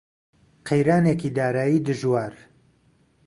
قەیرانێکی دارایی دژوار